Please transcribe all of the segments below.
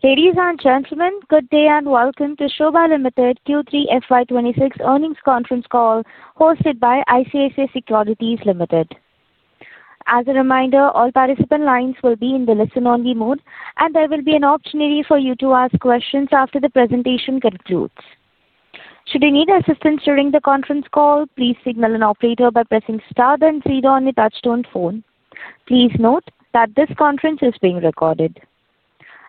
Ladies and gentlemen, good day and welcome to SOBHA Limited Q3 FY 2026 Earnings Conference Call hosted by ICICI Securities Ltd. As a reminder, all participant lines will be in the listen-only mode, and there will be an option for you to ask questions after the presentation concludes. Should you need assistance during the conference call, please signal an operator by pressing star then zero on the touch-tone phone. Please note that this conference is being recorded.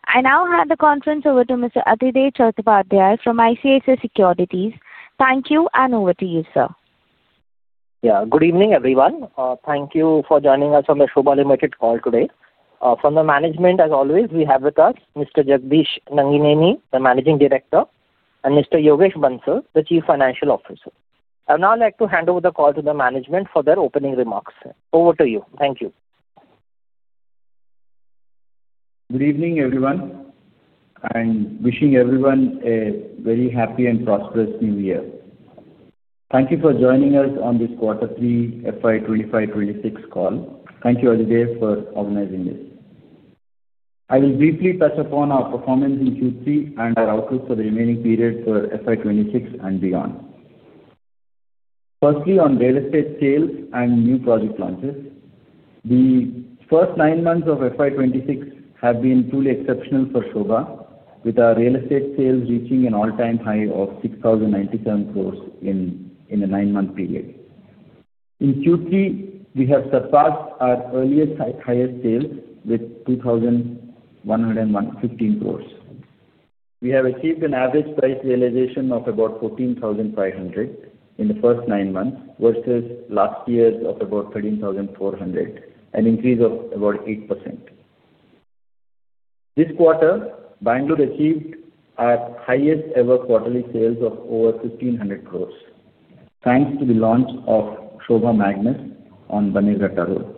I now hand the conference over to Mr. Adhidev Chattopadhyay from ICICI Securities. Thank you, and over to you, sir. Yeah, good evening, everyone. Thank you for joining us on the SOBHA Limited call today. From the management, as always, we have with us Mr. Jagadish Nangineni, the Managing Director, and Mr. Yogesh Bansal, the Chief Financial Officer. I'd now like to hand over the call to the management for their opening remarks. Over to you. Thank you. Good evening, everyone. I'm wishing everyone a very happy and prosperous New Year. Thank you for joining us on this Q3 FY 2026 call. Thank you, Adhidev, for organizing this. I will briefly touch upon our performance in Q3 and our outlook for the remaining period for FY 2026 and beyond. Firstly, on real estate sales and new project launches, the first nine months of FY 2026 have been truly exceptional for SOBHA, with our real estate sales reaching an all-time high of 6,097 crores in a nine-month period. In Q3, we have surpassed our ever highest sales with 2,115 crores. We have achieved an average price realization of about 14,500 in the first nine months versus last year's of about 13,400, an increase of about 8%. This quarter, Bangalore achieved our highest-ever quarterly sales of over 1,500 crores thanks to the launch of SOBHA Magnus on Bannerghatta Road,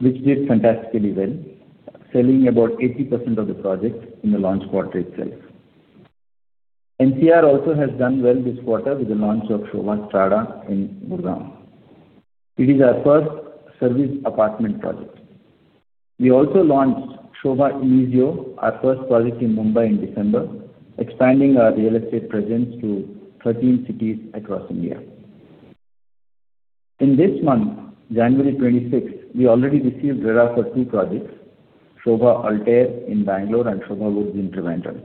which did fantastically well, selling about 80% of the project in the launch quarter itself. NCR also has done well this quarter with the launch of SOBHA Strada in Gurgaon. It is our first service apartment project. We also launched SOBHA Inizio, our first project in Mumbai in December, expanding our real estate presence to 13 cities across India. In this month, January 26, we already received RERA for two projects: SOBHA Altair in Bangalore and SOBHA Woods in Trivandrum.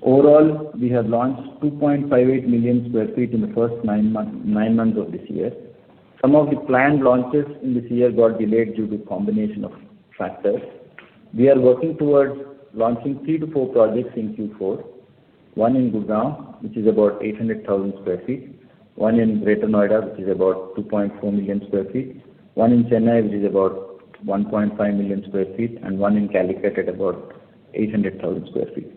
Overall, we have launched 2.58 million sq ft in the first nine months of this year. Some of the planned launches in this year got delayed due to a combination of factors. We are working towards launching three to four projects in Q4: one in Gurgaon, which is about 800,000 sq ft. One in Greater Noida, which is about 2.4 million sq ft. One in Chennai, which is about 1.5 million sq ft. And one in Calicut, at about 800,000 sq ft.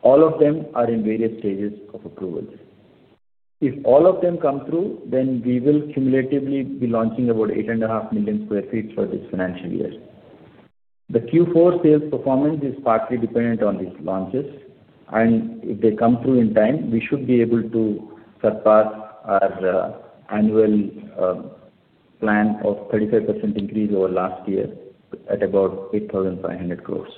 All of them are in various stages of approval. If all of them come through, then we will cumulatively be launching about 8.5 million sq ft for this financial year. The Q4 sales performance is partly dependent on these launches, and if they come through in time, we should be able to surpass our annual plan of 35% increase over last year at about 8,500 crores.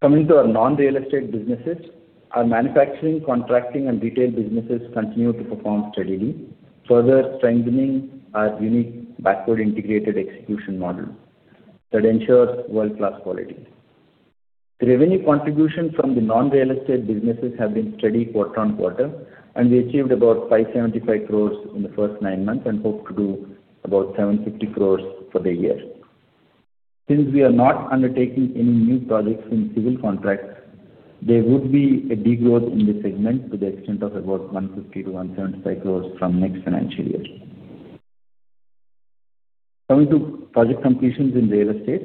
Coming to our non-real estate businesses, our manufacturing, contracting, and retail businesses continue to perform steadily, further strengthening our unique backward-integrated execution model that ensures world-class quality. The revenue contribution from the non-real estate businesses has been steady quarter on quarter, and we achieved about 575 crores in the first nine months and hope to do about 750 crores for the year. Since we are not undertaking any new projects in civil contracts, there would be a degrowth in this segment to the extent of about 150-175 crores from next financial year. Coming to project completions in real estate,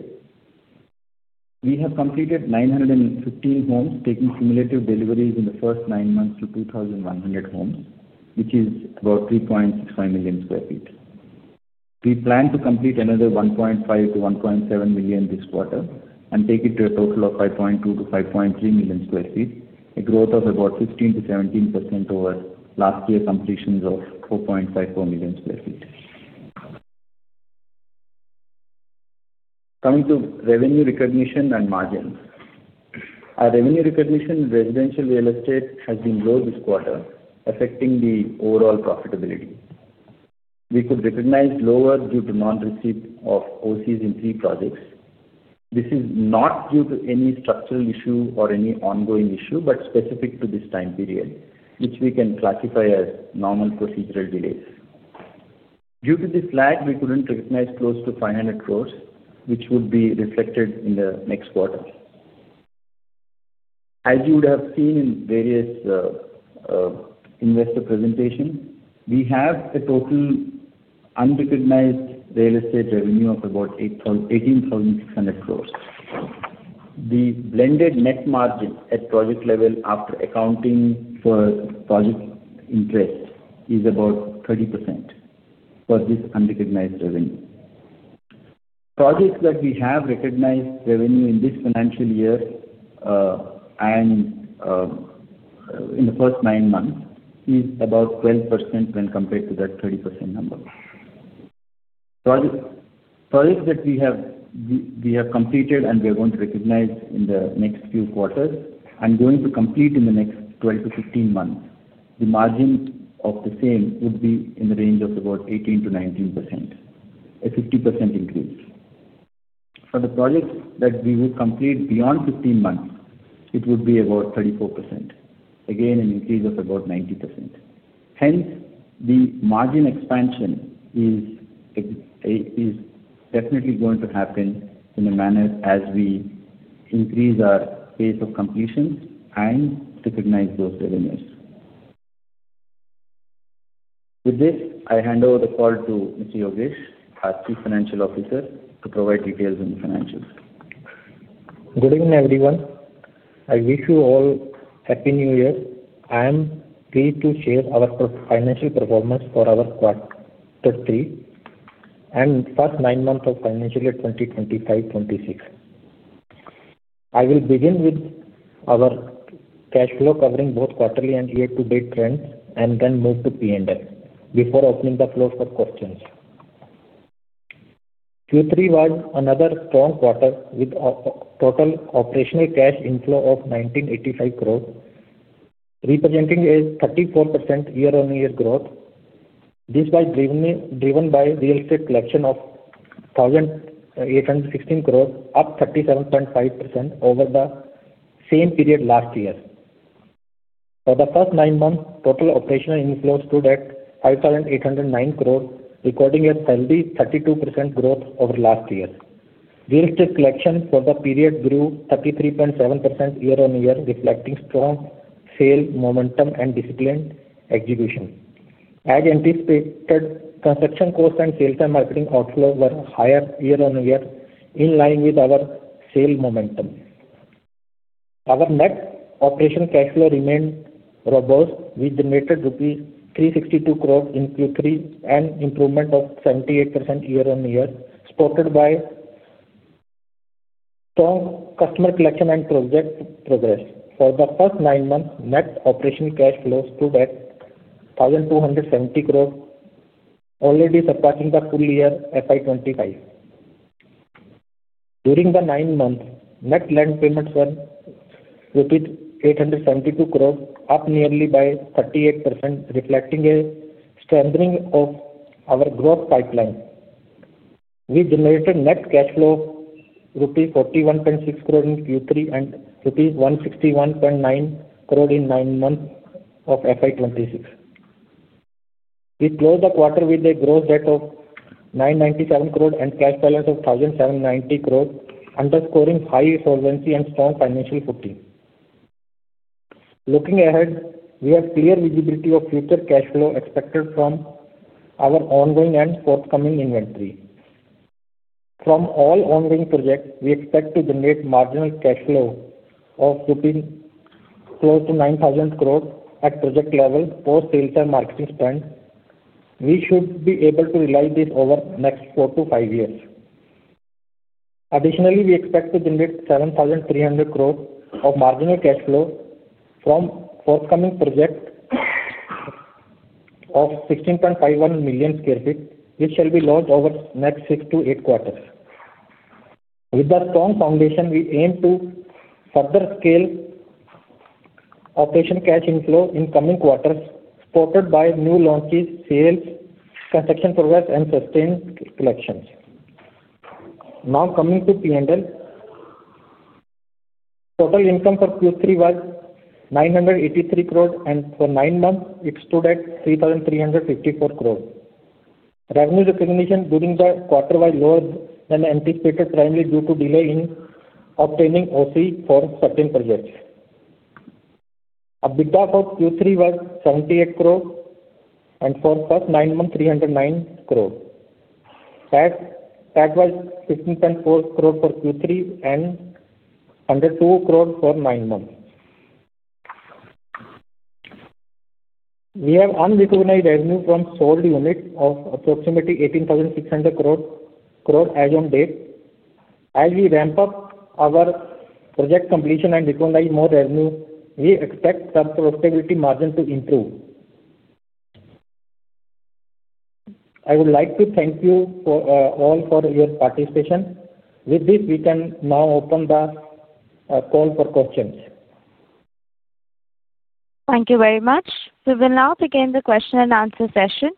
we have completed 915 homes, taking cumulative deliveries in the first nine months to 2,100 homes, which is about 3.65 million sq ft. We plan to complete another 1.5-1.7 million this quarter and take it to a total of 5.2-5.3 million sq ft, a growth of about 15-17% over last year's completions of 4.54 million sq ft. Coming to revenue recognition and margins, our revenue recognition in residential real estate has been low this quarter, affecting the overall profitability. We could recognize lower due to non-receipt of OCs in three projects. This is not due to any structural issue or any ongoing issue but specific to this time period, which we can classify as normal procedural delays. Due to this lag, we couldn't recognize close to 500 crores, which would be reflected in the next quarter. As you would have seen in various investor presentations, we have a total unrecognized real estate revenue of about 18,600 crores. The blended net margin at project level, after accounting for project interest, is about 30% for this unrecognized revenue. Projects that we have recognized revenue in this financial year and in the first nine months is about 12% when compared to that 30% number. Projects that we have completed and we are going to recognize in the next few quarters and going to complete in the next 12-15 months, the margin of the same would be in the range of about 18%-19%, a 50% increase. For the projects that we would complete beyond 15 months, it would be about 34%, again an increase of about 90%. Hence, the margin expansion is definitely going to happen in a manner as we increase our pace of completions and recognize those revenues. With this, I hand over the call to Mr. Yogesh, our Chief Financial Officer, to provide details on the financials. Good evening, everyone. I wish you all a Happy New Year. I am pleased to share our financial performance for our Q3 and first nine months of financial year 2025/2026. I will begin with our cash flow covering both quarterly and year-to-date trends and then move to P&L before opening the floor for questions. Q3 was another strong quarter with a total operational cash inflow of 1,985 crores, representing a 34% year-on-year growth. This was driven by real estate collection of 1,816 crores, up 37.5% over the same period last year. For the first nine months, total operational inflow stood at 5,809 crores, recording a steady 32% growth over last year. Real estate collection for the period grew 33.7% year-on-year, reflecting strong sales, momentum, and disciplined execution. As anticipated, construction costs and sales and marketing outflow were higher year-on-year, in line with our sales momentum. Our net operational cash flow remained robust, with generated rupees 362 crores in Q3 and improvement of 78% year-on-year, supported by strong customer collection and project progress. For the first nine months, net operational cash flow stood at 1,270 crores, already surpassing the full year FY 2025. During the nine months, net land payments were 872 crores, up nearly by 38%, reflecting a strengthening of our growth pipeline. We generated net cash flow of 41.6 crores rupees in Q3 and 161.9 crores rupees in nine months of FY 2026. We closed the quarter with a gross debt of 997 crores and cash balance of 1,790 crores, underscoring high resilience and strong financial footing. Looking ahead, we have clear visibility of future cash flow expected from our ongoing and forthcoming inventory. From all ongoing projects, we expect to generate marginal cash flow of close to 9,000 crores at project level post sales and marketing spend. We should be able to rely on this over the next four to five years. Additionally, we expect to generate 7,300 crores of marginal cash flow from forthcoming projects of 16.51 million sq ft, which shall be sold over the next six to eight quarters. With the strong foundation, we aim to further scale operational cash inflow in coming quarters, supported by new launches, sales, construction progress, and sustained collections. Now coming to P&L, total income for Q3 was 983 crores, and for nine months, it stood at 3,354 crores. Revenue recognition during the quarter was lower than anticipated, primarily due to delay in obtaining OC for certain projects. EBITDA for Q3 was 78 crores, and for the first nine months, 309 crores. That was 15.4 crores for Q3 and 102 crores for nine months. We have unrecognized revenue from sold units of approximately 18,600 crores as of date. As we ramp up our project completion and recognize more revenue, we expect the profitability margin to improve. I would like to thank you all for your participation. With this, we can now open the call for questions. Thank you very much. We will now begin the question and answer session.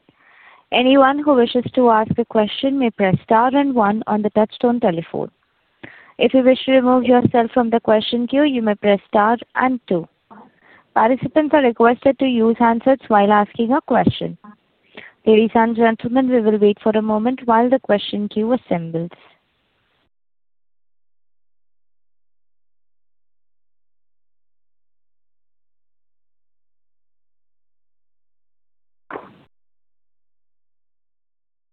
Anyone who wishes to ask a question may press star and one on the touch-tone telephone. If you wish to remove yourself from the question queue, you may press star and two. Participants are requested to use handsets while asking a question. Ladies and gentlemen, we will wait for a moment while the question queue assembles.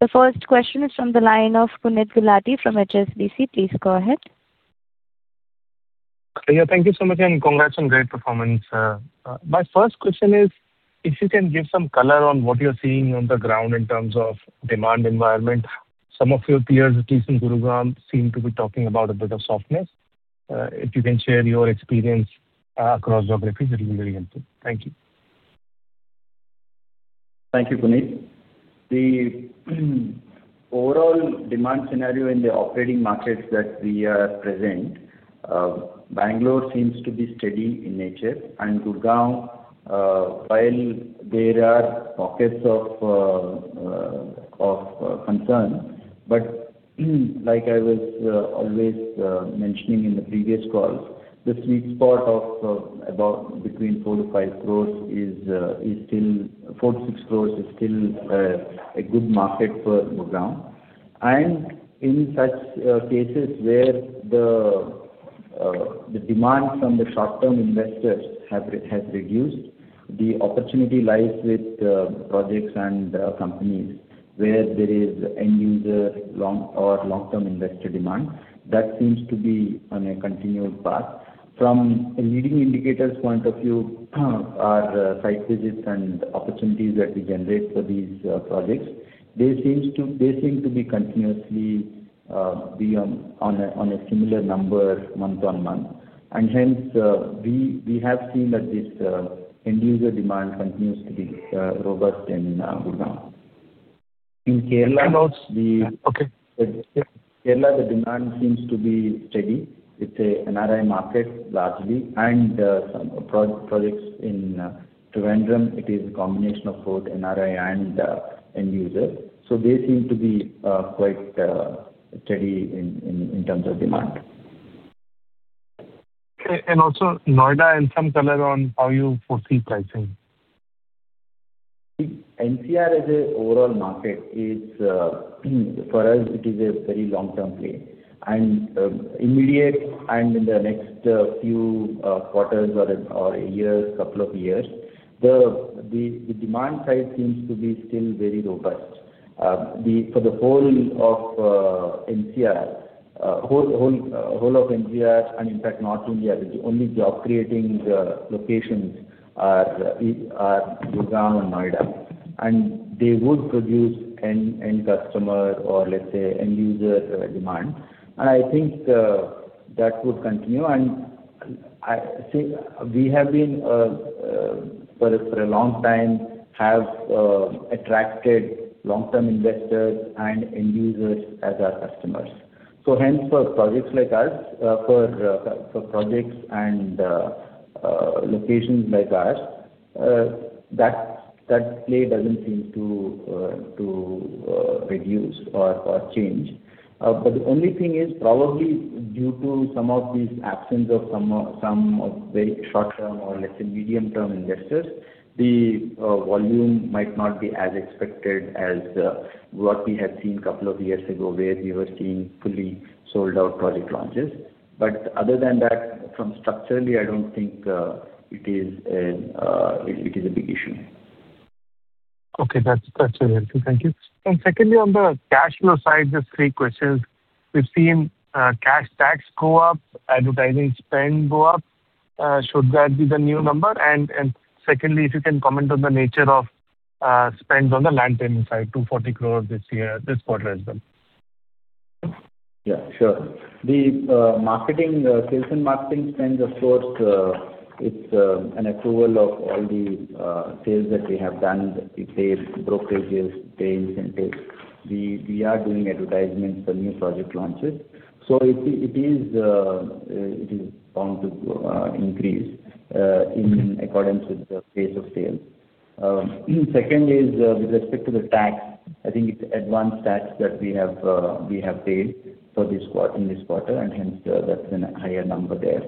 The first question is from the line of Puneet Gulati from HSBC. Please go ahead. Thank you so much, and congrats on great performance. My first question is, if you can give some color on what you're seeing on the ground in terms of demand environment, some of your peers, at least in Gurgaon, seem to be talking about a bit of softness. If you can share your experience across geographies, it will be very helpful. Thank you. Thank you, Puneet. The overall demand scenario in the operating markets that we are present, Bangalore seems to be steady in nature, and Gurgaon, while there are pockets of concern, but like I was always mentioning in the previous calls, the sweet spot of about between four to five crores is still four to six crores is still a good market for Gurgaon. And in such cases where the demand from the short-term investors has reduced, the opportunity lies with projects and companies where there is end-user or long-term investor demand. That seems to be on a continued path. From a leading indicators point of view, our site visits and opportunities that we generate for these projects, they seem to be continuously on a similar number month-on-month. And hence, we have seen that this end-user demand continues to be robust in Gurgaon. In Kerala, the demand seems to be steady. It's an NRI market largely, and some projects in Trivandrum. It is a combination of both NRI and end-user. So they seem to be quite steady in terms of demand. Okay. And also, Noida, and some color on how you foresee pricing? NCR as an overall market, for us, it is a very long-term play. And immediate and in the next few quarters or a year, couple of years, the demand side seems to be still very robust. For the whole of NCR, whole of NCR, and in fact, not only NCR, the only job-creating locations are Gurgaon and Noida. And they would produce end-customer or, let's say, end-user demand. And I think that would continue. And we have been, for a long time, have attracted long-term investors and end-users as our customers. So hence, for projects like us, for projects and locations like ours, that play doesn't seem to reduce or change. But the only thing is, probably due to some of these absence of some very short-term or, let's say, medium-term investors, the volume might not be as expected as what we had seen a couple of years ago, where we were seeing fully sold-out project launches. But other than that, from structurally, I don't think it is a big issue. Okay. That's very helpful. Thank you. And secondly, on the cash flow side, just three questions. We've seen cash tax go up, advertising spend go up. Should that be the new number? And secondly, if you can comment on the nature of spends on the land payment side, 240 crores this year, this quarter as well. Yeah, sure. The marketing, sales and marketing spend, of course, it's an accrual of all the sales that we have done, the brokerages pay incentives. We are doing advertisements for new project launches. So it is bound to increase in accordance with the pace of sales. Second is, with respect to the tax, I think it's advance tax that we have paid for this quarter, and hence, that's a higher number there.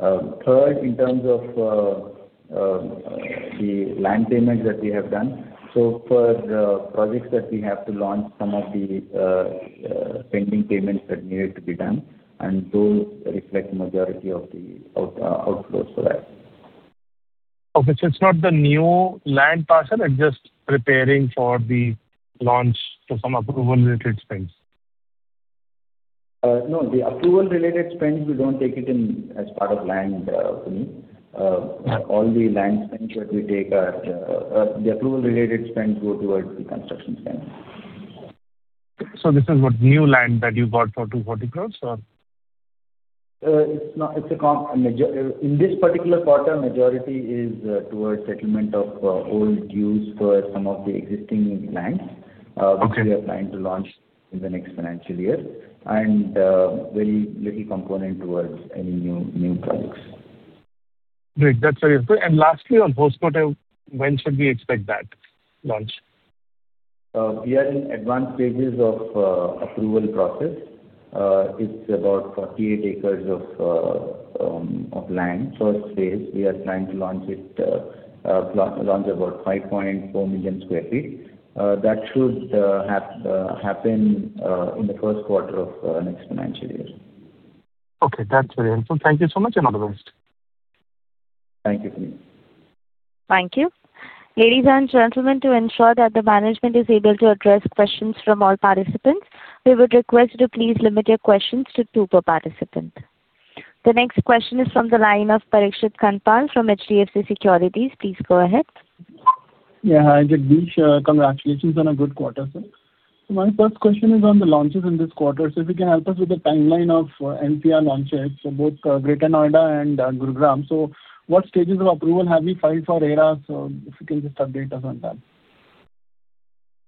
Third, in terms of the land payment that we have done, so for projects that we have to launch, some of the pending payments that needed to be done, and those reflect the majority of the outflows for us. Okay, so it's not the new land parcel, and just preparing for the launch for some approval-related spends? No, the approval-related spends, we don't take it as part of land. All the land spends that we take are the approval-related spends go towards the construction spend. So, this is what new land that you got for 240 crores, or? In this particular quarter, majority is towards settlement of old dues for some of the existing lands, which we are planning to launch in the next financial year, and very little component towards any new projects. Great. That's very helpful. And lastly, on post-quarter, when should we expect that launch? We are in advanced stages of approval process. It's about 48 acres of land. First phase, we are planning to launch it, launch about 5.4 million sq ft. That should happen in the first quarter of the next financial year. Okay. That's very helpful. Thank you so much, and all the best. Thank you, Puneet. Thank you. Ladies and gentlemen, to ensure that the management is able to address questions from all participants, we would request you to please limit your questions to two per participant. The next question is from the line of Parikshit Kandpal from HDFC Securities. Please go ahead. Yeah. Hi, Jagadish. Congratulations on a good quarter, sir. My first question is on the launches in this quarter. So if you can help us with the timeline of NCR launches for both Greater Noida and Gurgaon? So what stages of approval have you filed for RERA? So if you can just update us on that.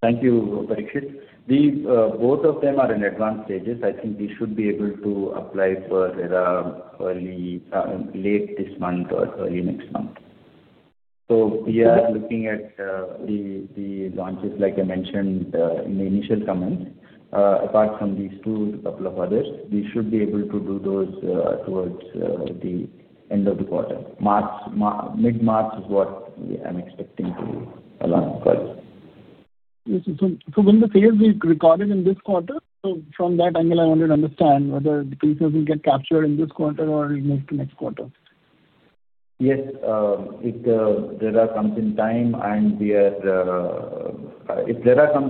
Thank you, Parikshit. Both of them are in advanced stages. I think we should be able to apply for RERA late this month or early next month. So we are looking at the launches, like I mentioned in the initial comments. Apart from these two, a couple of others, we should be able to do those towards the end of the quarter. Mid-March is what I'm expecting to launch for us. So when the sales are recorded in this quarter, from that angle, I want to understand whether the pieces will get captured in this quarter or next quarter? Yes. If RERA comes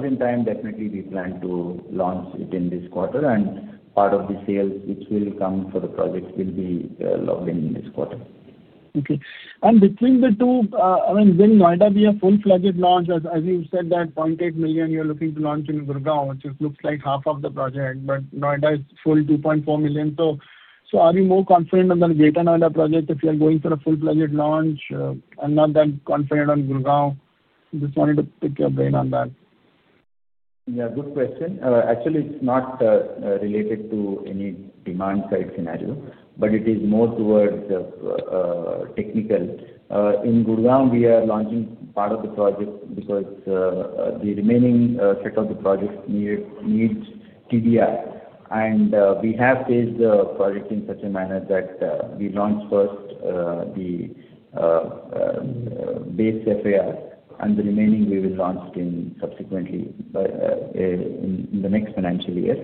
in time, definitely we plan to launch it in this quarter, and part of the sales which will come for the projects will be logged in this quarter. Okay. And between the two, I mean, when will Noida be a full-fledged launch, as you said, that 0.8 million you're looking to launch in Gurgaon, which looks like half of the project, but Noida is full 2.4 million. So are you more confident on the Greater Noida project if you're going for a full-fledged launch and not that confident on Gurgaon? Just wanted to pick your brain on that. Yeah. Good question. Actually, it's not related to any demand-side scenario, but it is more towards technical. In Gurgaon, we are launching part of the project because the remaining set of the project needs TDR. And we have phased the project in such a manner that we launch first the base FAR, and the remaining we will launch subsequently in the next financial year.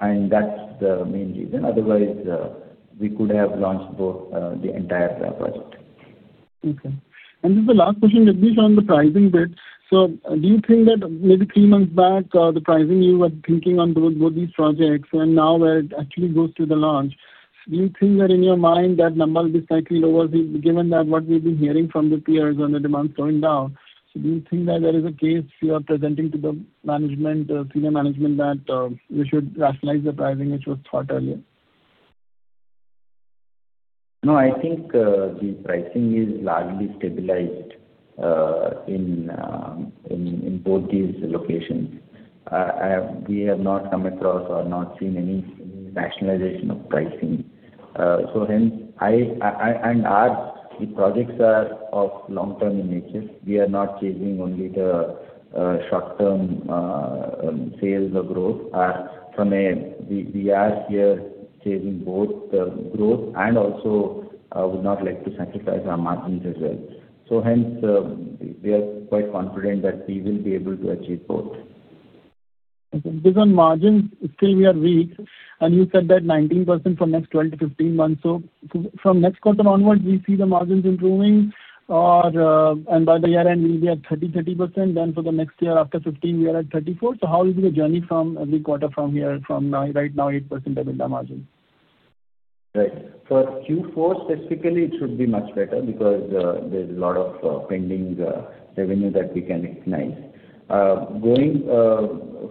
And that's the main reason. Otherwise, we could have launched the entire project. Okay. And this is the last question, Jagadish, on the pricing bit. So do you think that maybe three months back, the pricing you were thinking on both these projects, and now where it actually goes to the launch, do you think that in your mind that number will be slightly lower given what we've been hearing from the peers on the demand slowing down? So do you think that there is a case you are presenting to the management, senior management, that we should rationalize the pricing which was thought earlier? No, I think the pricing is largely stabilized in both these locations. We have not come across or not seen any rationalization of pricing. So hence, and the projects are of long-term in nature. We are not chasing only the short-term sales or growth. We are here chasing both the growth and also would not like to sacrifice our margins as well. So hence, we are quite confident that we will be able to achieve both. Okay. Because on margins, still we are weak. And you said that 19% for next 12 to 15 months. So from next quarter onward, we see the margins improving, and by the year-end, we'll be at 30, 30%. Then for the next year, after 15, we are at 34%. So how will be the journey from every quarter from here, from right now 8% EBITDA margin? Right. For Q4 specifically, it should be much better because there's a lot of pending revenue that we can recognize. Going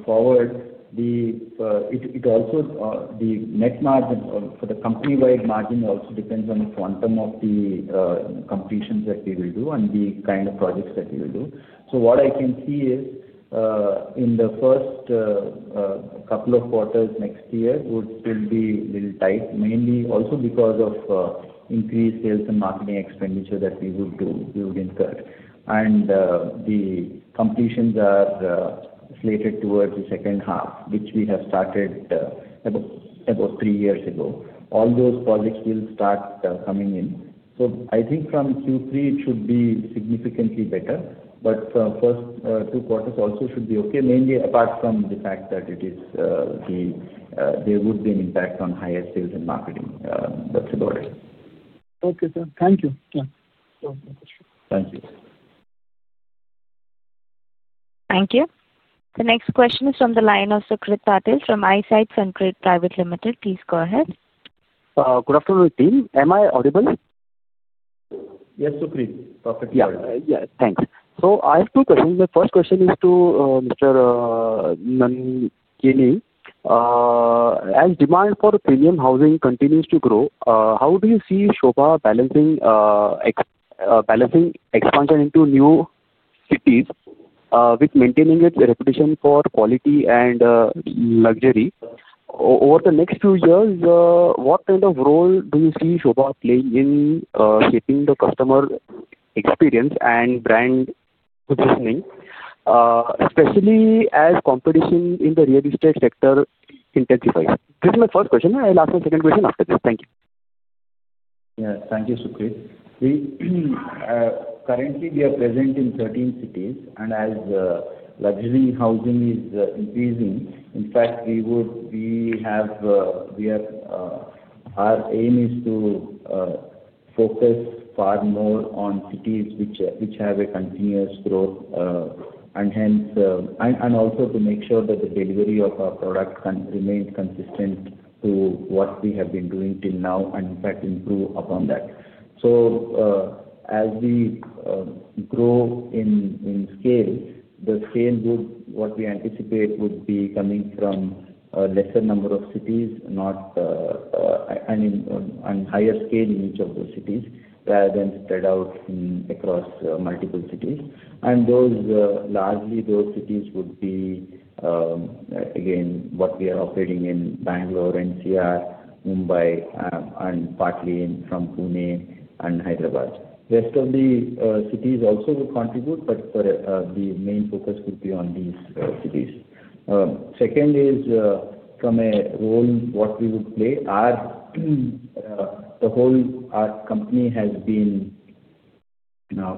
forward, it also the net margin for the company-wide margin also depends on the quantum of the completions that we will do and the kind of projects that we will do. So what I can see is in the first couple of quarters next year would still be a little tight, mainly also because of increased sales and marketing expenditure that we would incur. And the completions are slated towards the second half, which we have started about three years ago. All those projects will start coming in. So I think from Q3, it should be significantly better, but first two quarters also should be okay, mainly apart from the fact that there would be an impact on higher sales and marketing. That's about it. Okay, sir. Thank you. Yeah. Thank you. Thank you. The next question is from the line of Sucrit Patil from Eyesight Fintrade Ltd. Please go ahead. Good afternoon, team. Am I audible? Yes, Sucrit. Perfectly audible. Yes. Thanks. So I have two questions. My first question is to Mr. Nangineni. As demand for premium housing continues to grow, how do you see SOBHA balancing expansion into new cities with maintaining its reputation for quality and luxury? Over the next few years, what kind of role do you see SOBHA playing in shaping the customer experience and brand positioning, especially as competition in the real estate sector intensifies? This is my first question. I'll ask a second question after this. Thank you. Yes. Thank you, Sucrit. Currently, we are present in 13 cities, and as luxury housing is increasing, in fact, we have our aim is to focus far more on cities which have a continuous growth and also to make sure that the delivery of our product remains consistent to what we have been doing till now and, in fact, improve upon that, so as we grow in scale, the scale what we anticipate would be coming from a lesser number of cities, and higher scale in each of those cities rather than spread out across multiple cities, and largely, those cities would be, again, what we are operating in: Bangalore, NCR, Mumbai, and partly from Pune and Hyderabad. The rest of the cities also would contribute, but the main focus would be on these cities. Second is the role that we would play. Our whole company has been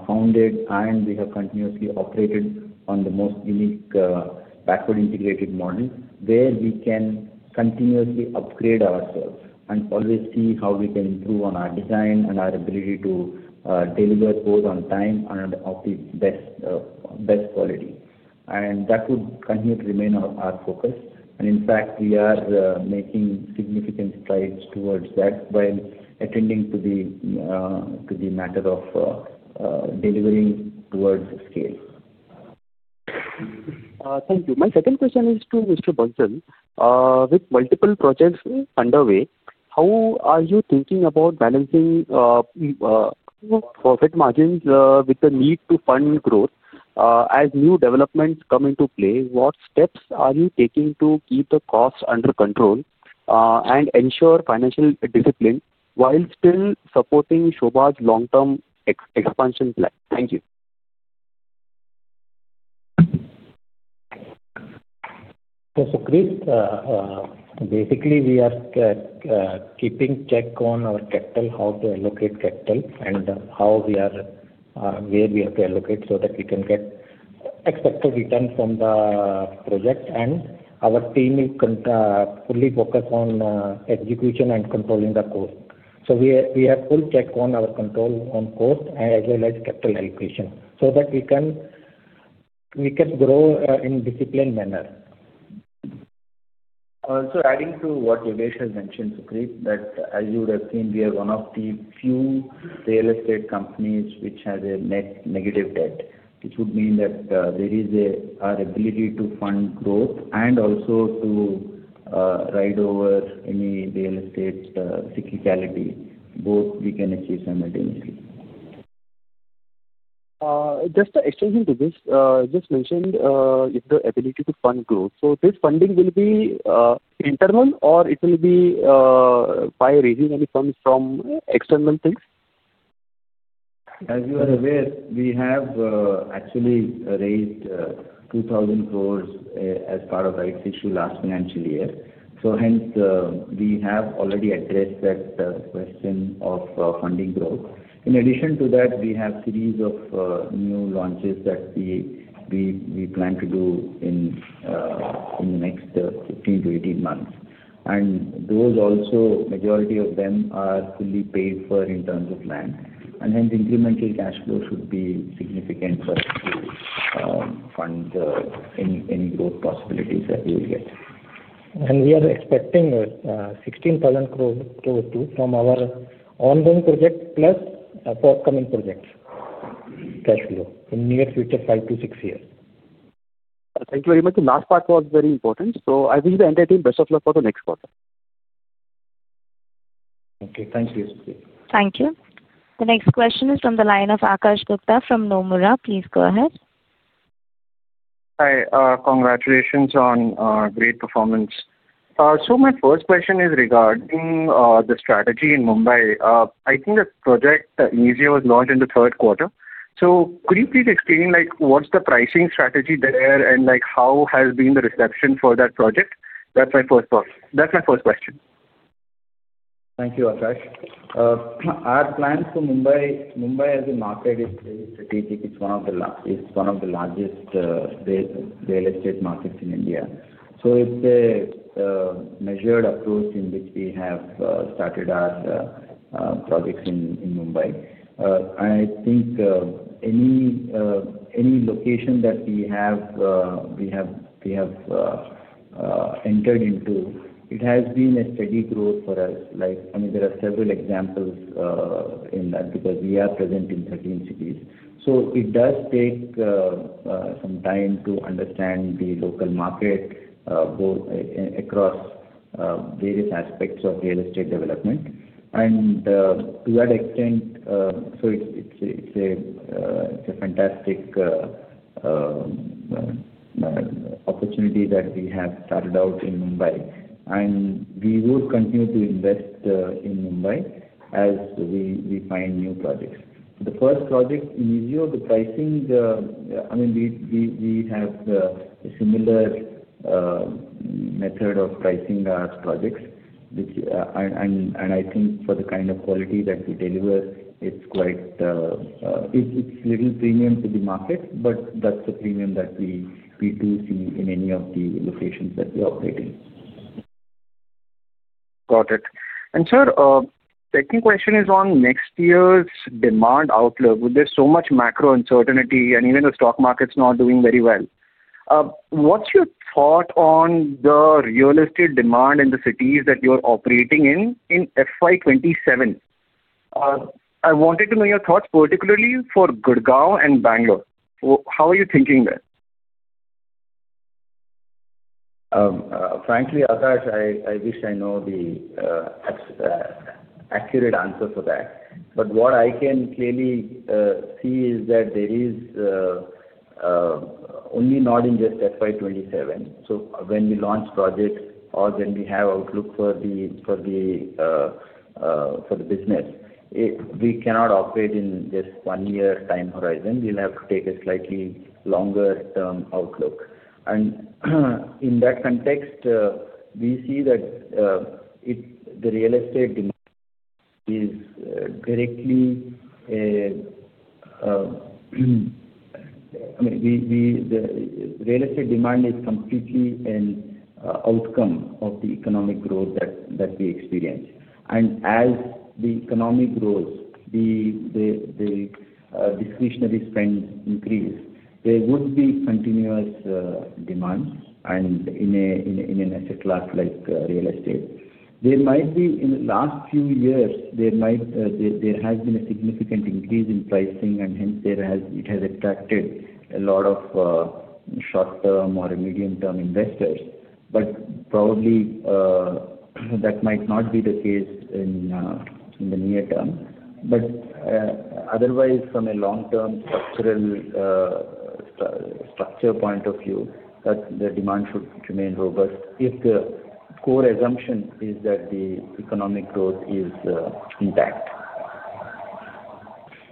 founded, and we have continuously operated on the most unique backward-integrated model where we can continuously upgrade ourselves and always see how we can improve on our design and our ability to deliver both on time and of the best quality. That would continue to remain our focus. In fact, we are making significant strides towards that while attending to the matter of delivering towards scale. Thank you. My second question is to Mr. Bansal. With multiple projects underway, how are you thinking about balancing profit margins with the need to fund growth? As new developments come into play, what steps are you taking to keep the cost under control and ensure financial discipline while still supporting SOBHA's long-term expansion plan? Thank you. So, Sucrit, basically, we are keeping check on our capital, how to allocate capital, and where we have to allocate so that we can get expected return from the project. And our team will fully focus on execution and controlling the cost. So we have full check on our control on cost as well as capital allocation so that we can grow in disciplined manner. Also, adding to what Jagadish has mentioned, Sucrit, that as you would have seen, we are one of the few real estate companies which has a net negative debt. It would mean that there is our ability to fund growth and also to ride over any real estate cyclicality. Both we can achieve simultaneously. Just extending to this, just mentioned the ability to fund growth. So this funding will be internal, or it will be by raising any funds from external things? As you are aware, we have actually raised 2,000 crores as part of our issue last financial year. So hence, we have already addressed that question of funding growth. In addition to that, we have a series of new launches that we plan to do in the next 15 to 18 months. And those also, majority of them are fully paid for in terms of land. And hence, incremental cash flow should be significant to fund any growth possibilities that we will get. We are expecting 16,000 crores too from our ongoing project plus forthcoming project cash flow in the near future, five to six years. Thank you very much. The last part was very important. I wish the entire team best of luck for the next quarter. Okay. Thank you, Sucrit. Thank you. The next question is from the line of Akash Gupta from Nomura. Please go ahead. Hi. Congratulations on great performance. So my first question is regarding the strategy in Mumbai. I think that project Inizio was launched in the third quarter. So could you please explain what's the pricing strategy there and how has been the reception for that project? That's my first question. Thank you, Akash. Our plan for Mumbai as a market is strategic. It's one of the largest real estate markets in India. So it's a measured approach in which we have started our projects in Mumbai. I think any location that we have entered into, it has been a steady growth for us. I mean, there are several examples in that because we are present in 13 cities. So it does take some time to understand the local market across various aspects of real estate development. And to that extent, so it's a fantastic opportunity that we have started out in Mumbai. And we would continue to invest in Mumbai as we find new projects. The first project, Inizio, the pricing, I mean, we have a similar method of pricing our projects. I think for the kind of quality that we deliver, it's quite a little premium to the market, but that's the premium that we do see in any of the locations that we operate in. Got it. And sir, second question is on next year's demand outlook. With so much macro uncertainty and even the stock market's not doing very well, what's your thought on the real estate demand in the cities that you're operating in in FY 2027? I wanted to know your thoughts particularly for Gurgaon and Bangalore. How are you thinking there? Frankly, Akash, I wish I know the accurate answer for that. But what I can clearly see is that there is not only in just FY 2027. So when we launch projects or when we have outlook for the business, we cannot operate in just one year time horizon. We'll have to take a slightly longer-term outlook. And in that context, we see that the real estate demand is directly. I mean, the real estate demand is completely an outcome of the economic growth that we experience. And as the economy grows, the discretionary spend increases, there would be continuous demands. And in an asset class like real estate, there might be. In the last few years, there has been a significant increase in pricing, and hence it has attracted a lot of short-term or medium-term investors. But probably that might not be the case in the near term. But otherwise, from a long-term structural point of view, the demand should remain robust if the core assumption is that the economic growth is intact.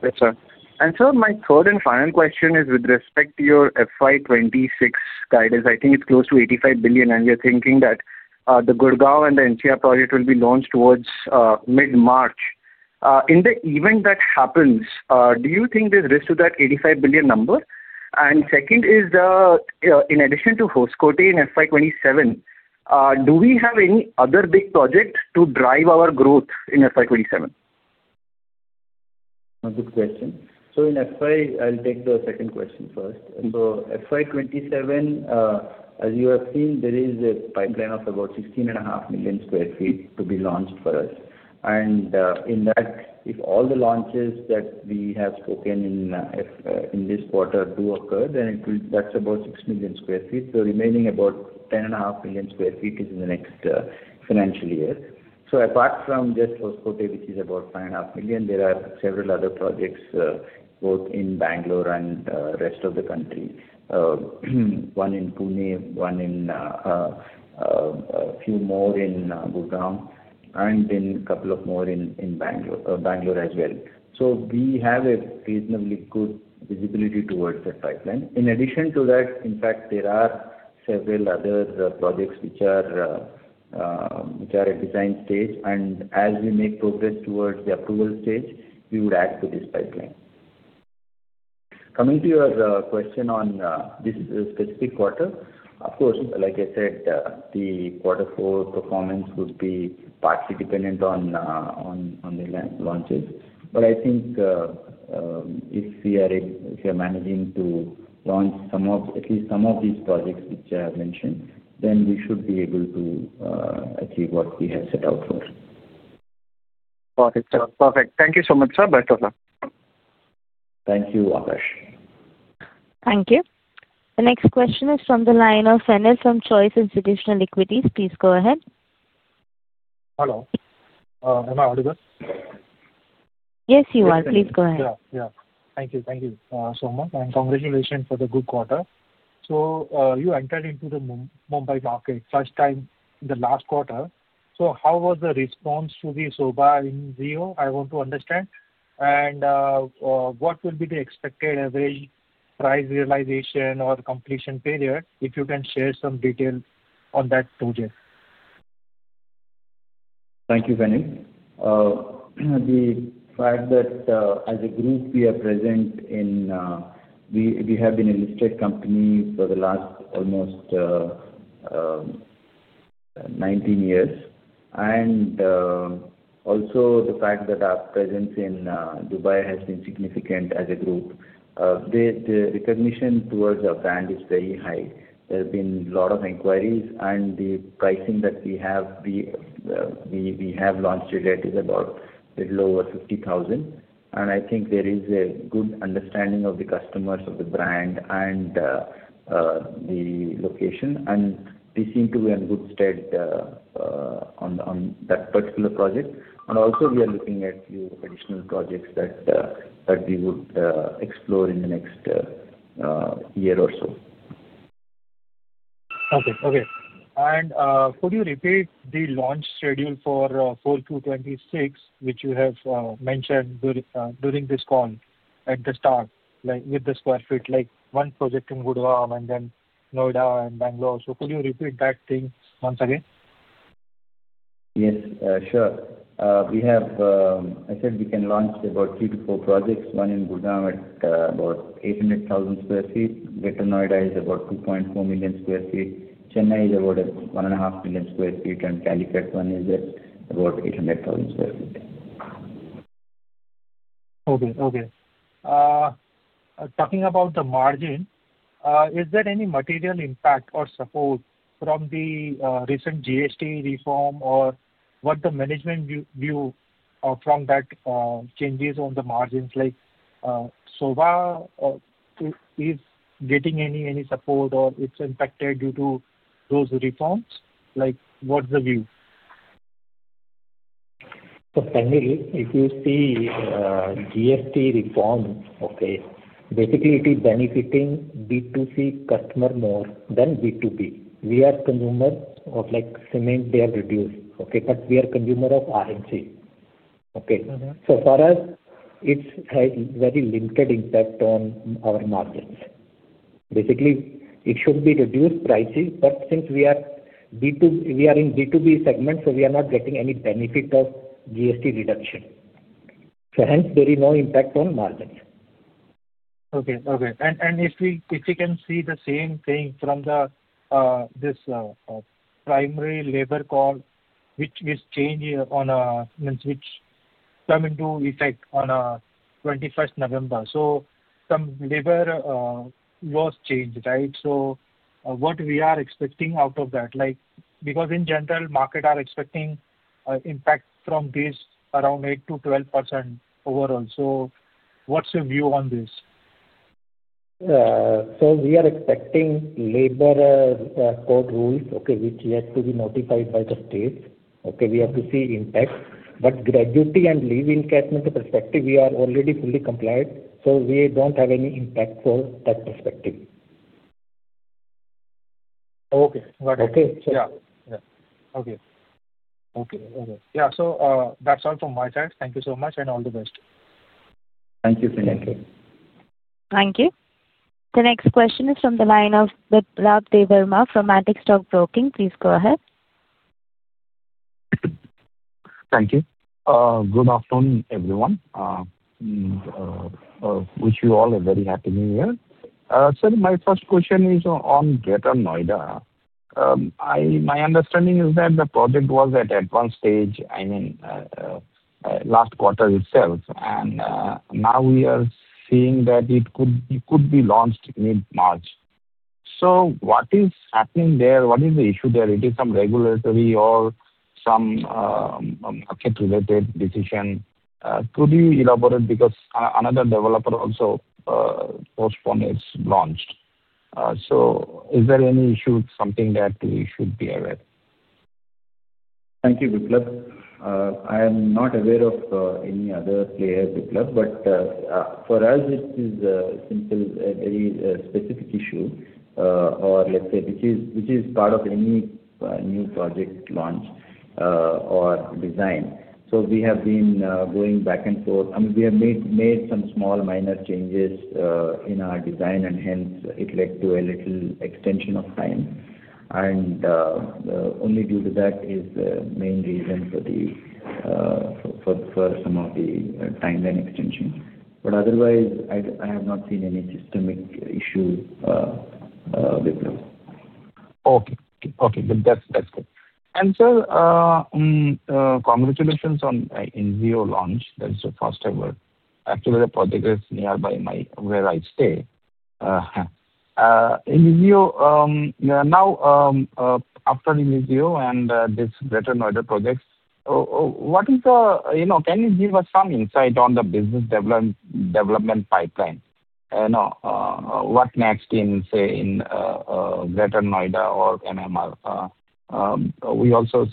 Yes, sir. And sir, my third and final question is with respect to your FY 2026 guidance. I think it's close to 85 billion, and you're thinking that the Gurgaon and the NCR project will be launched towards mid-March. In the event that happens, do you think there's risk to that 85 billion number? And second is, in addition to Hoskote in FY 2027, do we have any other big project to drive our growth in FY 2027? Good question. So in FY, I'll take the second question first. So FY 2027, as you have seen, there is a pipeline of about 16.5 million sq ft to be launched for us. And in that, if all the launches that we have spoken in this quarter do occur, then that's about 6 million sq ft. The remaining about 10.5 million sq ft is in the next financial year. So apart from just Hoskote, which is about 5.5 million, there are several other projects both in Bangalore and the rest of the country, one in Pune, one in a few more in Gurgaon, and then a couple of more in Bangalore as well. So we have a reasonably good visibility towards that pipeline. In addition to that, in fact, there are several other projects which are at design stage. And as we make progress towards the approval stage, we would add to this pipeline. Coming to your question on this specific quarter, of course, like I said, the quarter four performance would be partly dependent on the launches. But I think if we are managing to launch at least some of these projects which I have mentioned, then we should be able to achieve what we have set out for. Got it, sir. Perfect. Thank you so much, sir. Best of luck. Thank you, Akash. Thank you. The next question is from the line of Fanil from Choice Institutional Equities. Please go ahead. Hello. Am I audible? Yes, you are. Please go ahead. Yeah. Yeah. Thank you. Thank you so much. And congratulations for the good quarter. So you entered into the Mumbai market first time in the last quarter. So how was the response to the SOBHA Inizio? I want to understand. And what will be the expected average price realization or completion period if you can share some detail on that project? Thank you, Fanil. The fact that as a group we have been a listed company for the last almost 19 years. Also the fact that our presence in Dubai has been significant as a group. The recognition towards our brand is very high. There have been a lot of inquiries. The pricing that we have launched today is about a little over 50,000. I think there is a good understanding of the customers of the brand and the location. We seem to be in good stead on that particular project. Also, we are looking at a few additional projects that we would explore in the next year or so. Okay. Okay. And could you repeat the launch schedule for 4Q 2026, which you have mentioned during this call at the start with the sq ft, like one project in Gurgaon and then Noida and Bangalore? So could you repeat that thing once again? Yes, sure. I said we can launch about three to four projects, one in Gurgaon at about 800,000 sq ft. Greater Noida is about 2.4 million sq ft. Chennai is about 1.5 million sq ft, and Calicut one is at about 800,000 sq ft. Okay. Talking about the margin, is there any material impact or support from the recent GST reform or what the management view from that changes on the margins? Like SOBHA is getting any support or it's impacted due to those reforms? What's the view? So finally, if you see GST reform, okay, basically it is benefiting B2C customer more than B2B. We are consumers of cement. They are reduced. Okay. But we are consumers of RMC. Okay. So for us, it has had very limited impact on our margins. Basically, it should be reduced prices, but since we are in B2B segment, so we are not getting any benefit of GST reduction. So hence, there is no impact on margins. Okay. Okay. And if we can see the same thing from this primary labor law, which is changing on which come into effect on 21st November. So some labor laws changed, right? So what we are expecting out of that? Because in general, market are expecting impact from this around 8%-12% overall. So what's your view on this? So we are expecting labor code rules, okay, which yet to be notified by the states. Okay. We have to see impact. But gratuity and leave encashment perspective, we are already fully compliant. So we don't have any impact for that perspective. Okay. Got it. Okay. Yeah. Okay. Okay. Okay. Yeah. So that's all from my side. Thank you so much and all the best. Thank you, Fanil. Thank you. Thank you. The next question is from the line of Biplab Debbarma from Antique Stock Broking. Please go ahead. Thank you. Good afternoon, everyone. Wish you all a very happy New Year. So my first question is on Greater Noida. My understanding is that the project was at advanced stage, I mean, last quarter itself. And now we are seeing that it could be launched mid-March. So what is happening there? What is the issue there? It is some regulatory or some market-related decision. Could you elaborate because another developer also postponed its launch? So is there any issue, something that we should be aware? Thank you, Biplab. I am not aware of any other player, Biplab. But for us, it is simply a very specific issue or let's say which is part of any new project launch or design. So we have been going back and forth. I mean, we have made some small minor changes in our design, and hence it led to a little extension of time. And only due to that is the main reason for some of the timeline extension. But otherwise, I have not seen any systemic issue, Biplab. Okay. Okay. That's good. And sir, congratulations on Inizio launch. That is the first ever. Actually, the project is nearby where I stay. Now, after Inizio and this Greater Noida projects, what is the can you give us some insight on the business development pipeline? What next in, say, in Greater Noida or MMR? We also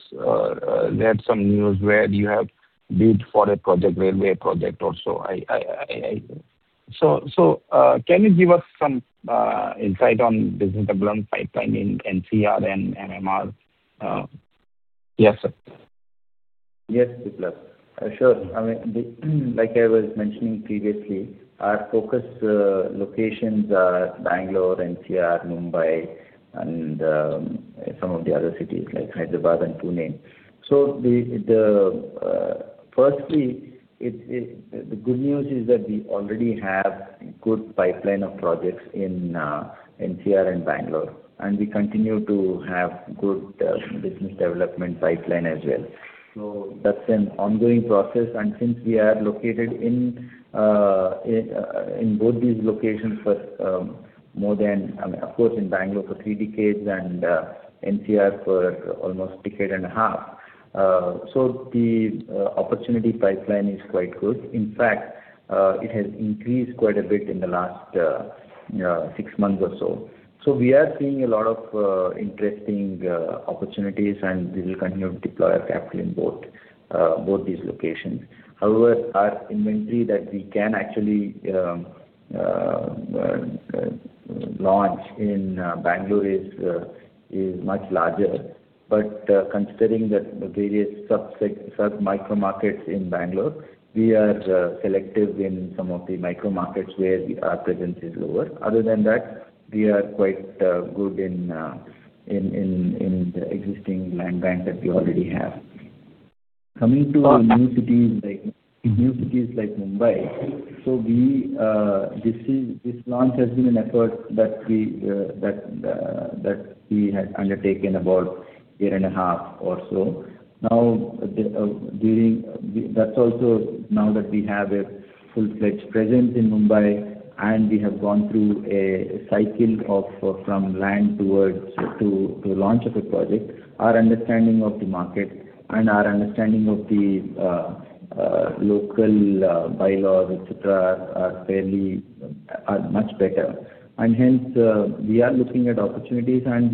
read some news where you have bid for a project, railway project also. So can you give us some insight on business development pipeline in NCR and MMR? Yes, sir. Yes, Biplab. Sure. I mean, like I was mentioning previously, our focus locations are Bangalore, NCR, Mumbai, and some of the other cities like Hyderabad and Pune. So firstly, the good news is that we already have a good pipeline of projects in NCR and Bangalore. And we continue to have good business development pipeline as well. So that's an ongoing process. And since we are located in both these locations for more than I mean, of course, in Bangalore for three decades and NCR for almost a decade and a half, so the opportunity pipeline is quite good. In fact, it has increased quite a bit in the last six months or so. So we are seeing a lot of interesting opportunities, and we will continue to deploy our capital in both these locations. However, our inventory that we can actually launch in Bangalore is much larger. But considering the various sub-micro markets in Bangalore, we are selective in some of the micro markets where our presence is lower. Other than that, we are quite good in the existing land bank that we already have. Coming to new cities like Mumbai, so this launch has been an effort that we had undertaken about a year and a half or so. Now, that's also now that we have a full-fledged presence in Mumbai, and we have gone through a cycle from land to launch of a project, our understanding of the market and our understanding of the local bylaws, etc., are much better. And hence, we are looking at opportunities, and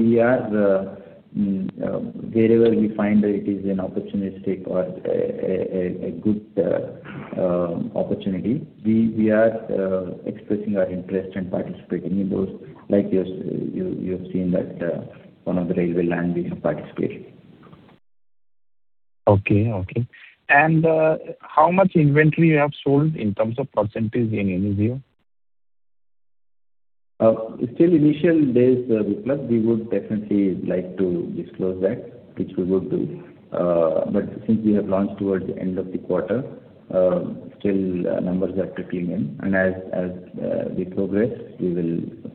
wherever we find that it is an opportunistic or a good opportunity, we are expressing our interest and participating in those. Like you have seen that one of the railway land, we have participated. Okay. Okay. And how much inventory you have sold in terms of percentage in Inizio? Still, initial days, Biplab, we would definitely like to disclose that, which we would do. But since we have launched towards the end of the quarter, still numbers are trickling in. And as we progress,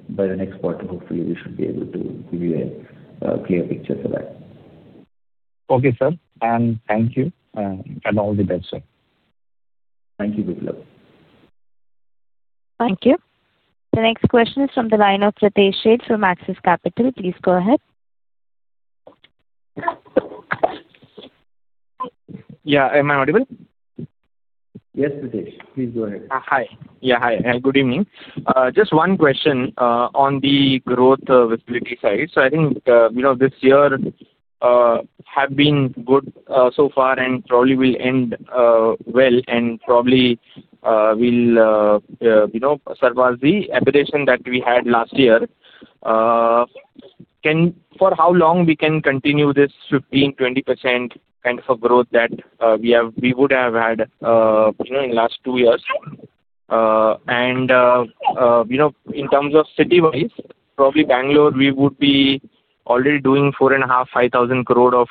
by the next quarter, hopefully, we should be able to give you a clear picture for that. Okay, sir. And thank you. And all the best, sir. Thank you, Biplab. Thank you. The next question is from the line of Pritesh Sheth from Axis Capital. Please go ahead. Yeah. Am I audible? Yes, Pritesh. Please go ahead. Hi. Good evening. Just one question on the growth visibility side. So I think this year has been good so far and probably will end well, and probably will surpass the appreciation that we had last year. For how long we can continue this 15%-20% kind of a growth that we would have had in the last two years? And in terms of city-wise, probably Bangalore, we would be already doing 4,500-5,000 crore of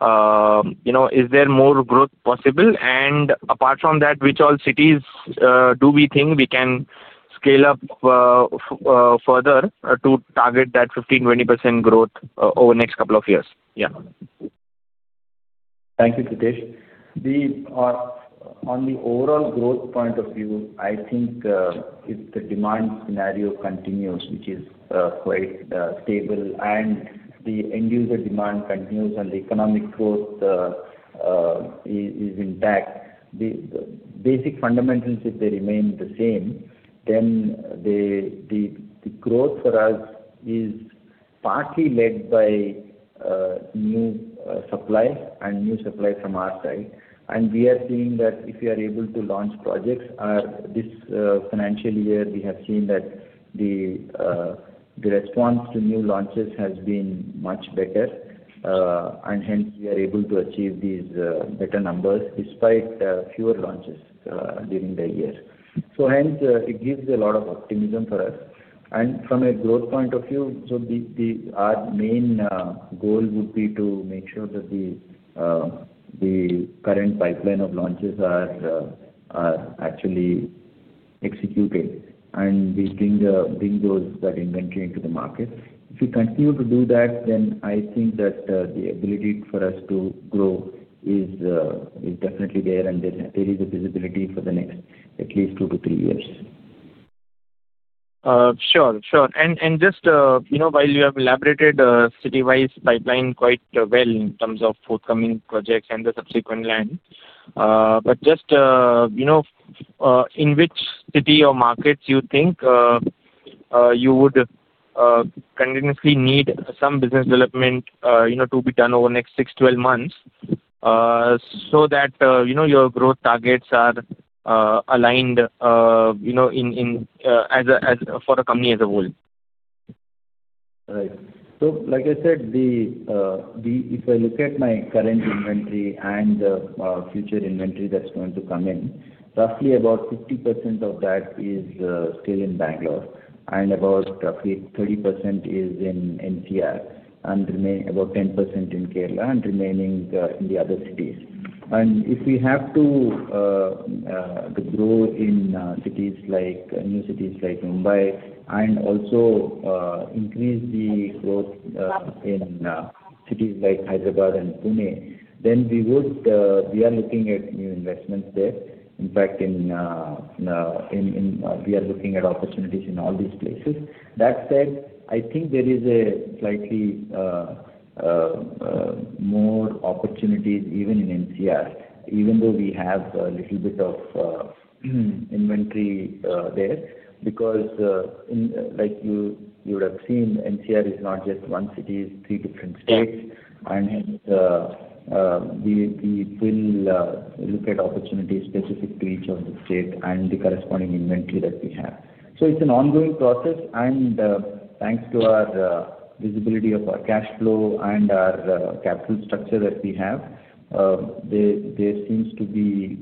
pre-sales. Is there more growth possible? And apart from that, which all cities do we think we can scale up further to target that 15%-20% growth over the next couple of years? Yeah. Thank you, Pritesh. On the overall growth point of view, I think if the demand scenario continues, which is quite stable, and the end-user demand continues, and the economic growth is intact, the basic fundamentals, if they remain the same, then the growth for us is partly led by new supply and new supply from our side. And we are seeing that if we are able to launch projects, this financial year, we have seen that the response to new launches has been much better. And hence, we are able to achieve these better numbers despite fewer launches during the year. So hence, it gives a lot of optimism for us. And from a growth point of view, so our main goal would be to make sure that the current pipeline of launches are actually executed, and we bring those inventory into the market. If we continue to do that, then I think that the ability for us to grow is definitely there, and there is a visibility for the next at least two to three years. Sure. Sure. And just while you have elaborated city-wise pipeline quite well in terms of forthcoming projects and the subsequent land, but just in which city or markets you think you would continuously need some business development to be done over the next six to 12 months so that your growth targets are aligned for a company as a whole? Right, so like I said, if I look at my current inventory and future inventory that's going to come in, roughly about 50% of that is still in Bangalore, and about roughly 30% is in NCR, and about 10% in Kerala, and remaining in the other cities, and if we have to grow in cities like new cities like Mumbai and also increase the growth in cities like Hyderabad and Pune, then we are looking at new investments there. In fact, we are looking at opportunities in all these places. That said, I think there is a slightly more opportunity even in NCR, even though we have a little bit of inventory there because, like you would have seen, NCR is not just one city, it's three different states, and hence, we will look at opportunities specific to each of the states and the corresponding inventory that we have. So it's an ongoing process. And thanks to our visibility of our cash flow and our capital structure that we have, there seems to be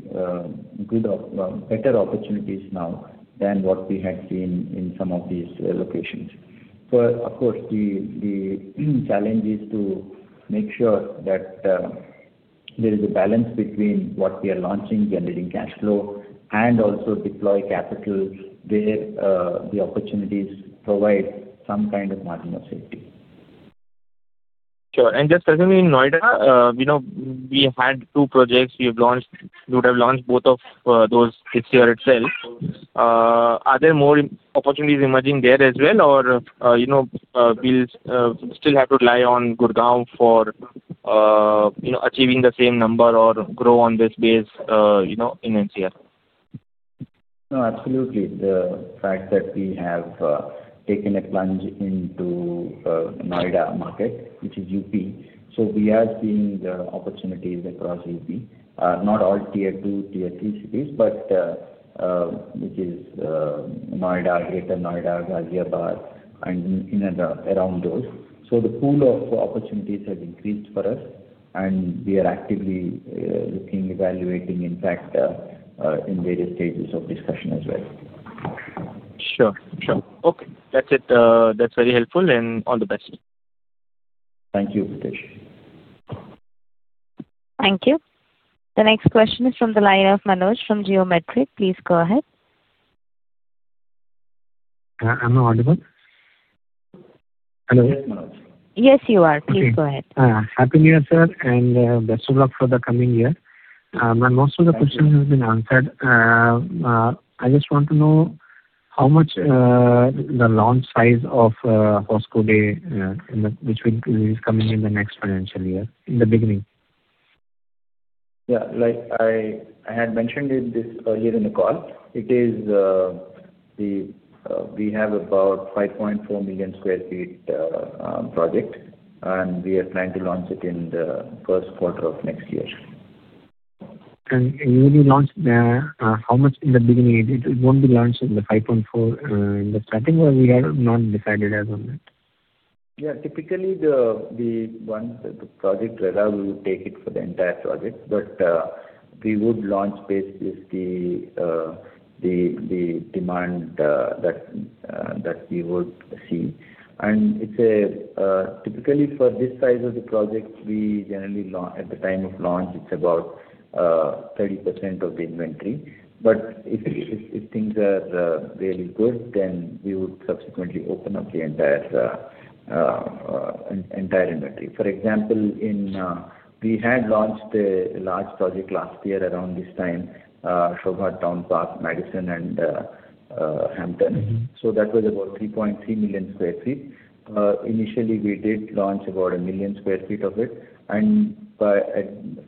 better opportunities now than what we had seen in some of these locations. But of course, the challenge is to make sure that there is a balance between what we are launching, generating cash flow, and also deploy capital where the opportunities provide some kind of margin of safety. Sure. And just as in Noida, we had two projects. We would have launched both of those this year itself. Are there more opportunities emerging there as well, or we'll still have to rely on Gurgaon for achieving the same number or grow on this base in NCR? No, absolutely. The fact that we have taken a plunge into Noida market, which is UP, so we are seeing opportunities across UP. Not all tier two, tier three cities, but which is Noida, Greater Noida, Ghaziabad, and around those. So the pool of opportunities has increased for us, and we are actively looking, evaluating, in fact, in various stages of discussion as well. Sure. Sure. Okay. That's it. That's very helpful, and all the best. Thank you, Pritesh. Thank you. The next question is from the line of Manoj from Geometric. Please go ahead. Am I audible? Hello? Yes, Manoj. Yes, you are. Please go ahead. Happy New Year, sir, and best of luck for the coming year. Most of the questions have been answered. I just want to know how much the launch size of Hoskote, which is coming in the next financial year, in the beginning? Yeah. I had mentioned it earlier in the call. We have about 5.4 million sq ft project, and we are planning to launch it in the first quarter of next year. And when you launch there, how much in the beginning? It won't be launched in the 5.4 in the starting, or we have not decided as of yet? Yeah. Typically, the project RERA will take it for the entire project, but we would launch based with the demand that we would see. And typically, for this size of the project, at the time of launch, it's about 30% of the inventory. But if things are really good, then we would subsequently open up the entire inventory. For example, we had launched a large project last year around this time, SOBHA Town Park, Madison, and Hampton. So that was about 3.3 million sq ft. Initially, we did launch about a million sq ft of it. And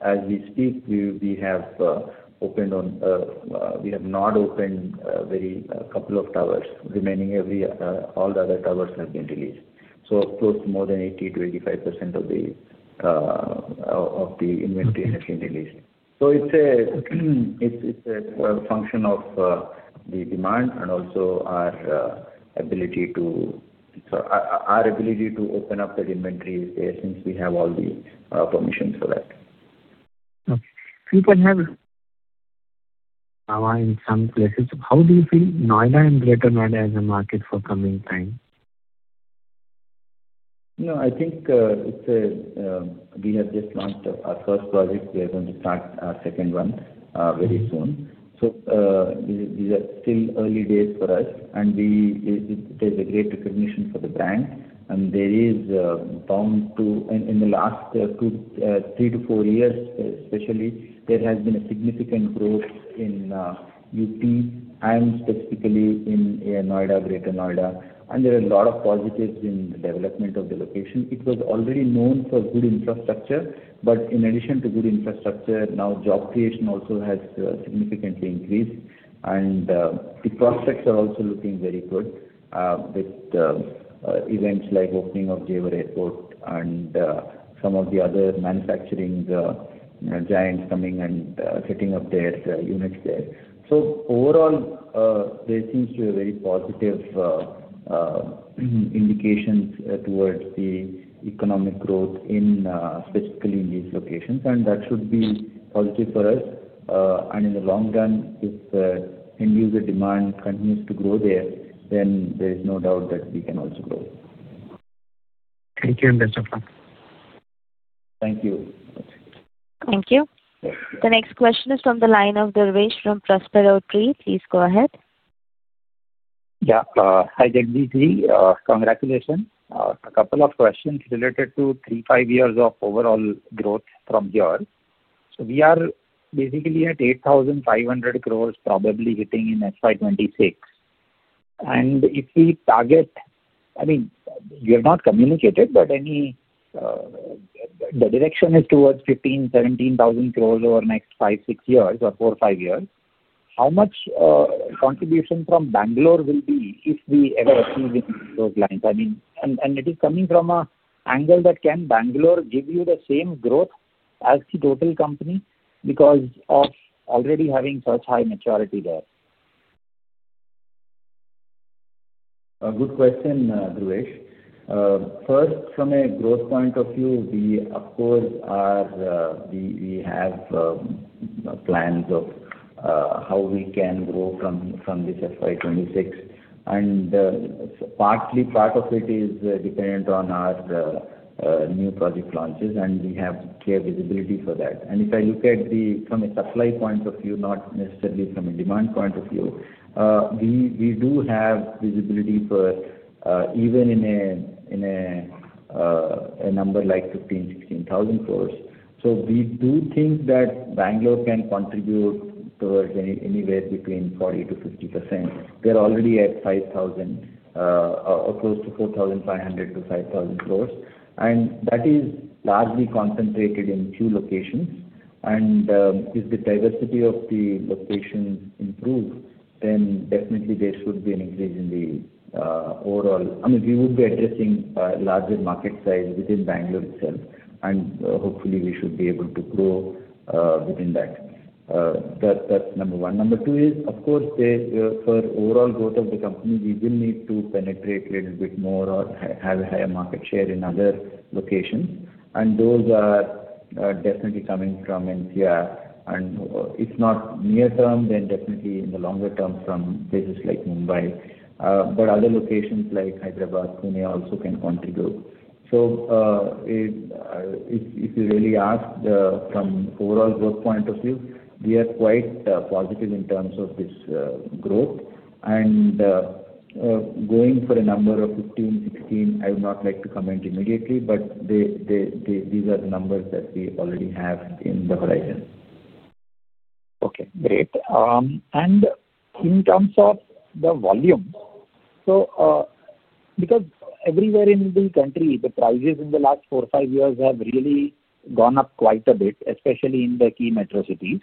as we speak, we have opened only a couple of towers. Remaining, all the other towers have been released. So close to more than 80%-85% of the inventory has been released. So it's a function of the demand and also our ability to open up that inventory since we have all the permissions for that. Okay. You can have a line in some places. How do you feel Noida and Greater Noida as a market for coming time? No, I think we have just launched our first project. We are going to start our second one very soon. So these are still early days for us, and there's a great recognition for the brand. And there is bound to in the last three to four years, especially, there has been a significant growth in UP and specifically in Noida, Greater Noida. And there are a lot of positives in the development of the location. It was already known for good infrastructure, but in addition to good infrastructure, now job creation also has significantly increased. And the prospects are also looking very good with events like opening of Jewar Airport and some of the other manufacturing giants coming and setting up their units there. So overall, there seems to be very positive indications towards the economic growth, specifically in these locations. And that should be positive for us. In the long run, if end-user demand continues to grow there, then there is no doubt that we can also grow. Thank you, and best of luck. Thank you. Thank you. The next question is from the line of Dhruvesh from ProsperoTree. Please go ahead. Yeah. Hi, Jagadishji. Congratulations. A couple of questions related to three, five years of overall growth from here. So we are basically at 8,500 crores probably hitting in FY 2026. And if we target I mean, you have not communicated, but the direction is towards 15-17 thousand crores over the next five, six years or four, five years. How much contribution from Bangalore will be if we ever achieve those lines? And it is coming from an angle that can Bangalore give you the same growth as the total company because of already having such high maturity there? Good question, Dhruvesh. First, from a growth point of view, we, of course, have plans of how we can grow from this FY 2026. And partly part of it is dependent on our new project launches, and we have clear visibility for that. And if I look at the from a supply point of view, not necessarily from a demand point of view, we do have visibility for even in a number like 15-16 thousand crores. So we do think that Bangalore can contribute towards anywhere between 40%-50%. They're already at 5,000 or close to 4,500-5,000 crores. And that is largely concentrated in two locations. And if the diversity of the locations improves, then definitely there should be an increase in the overall I mean, we would be addressing a larger market size within Bangalore itself. And hopefully, we should be able to grow within that. That's number one. Number two is, of course, for overall growth of the company, we will need to penetrate a little bit more or have a higher market share in other locations. And those are definitely coming from NCR. And if not near term, then definitely in the longer term from places like Mumbai. But other locations like Hyderabad, Pune also can contribute. So if you really ask from overall growth point of view, we are quite positive in terms of this growth. And going for a number of 15, 16, I would not like to comment immediately, but these are the numbers that we already have in the horizon. Okay. Great. And in terms of the volume, because everywhere in the country, the prices in the last four, five years have really gone up quite a bit, especially in the key metro cities.